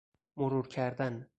مرور کردن